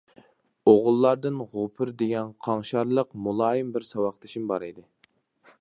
ئوغۇللاردىن غوپۇر دېگەن قاڭشارلىق، مۇلايىم بىر ساۋاقدىشىم بار ئىدى.